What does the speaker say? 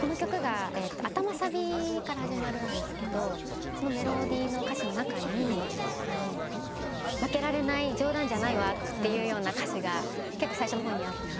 この曲が頭サビから始まるんですけどメロディーの歌詞の中に「負けられない冗談じゃないわ」って歌詞が結構最初の方にあって。